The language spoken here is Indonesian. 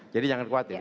jadi jangan khawatir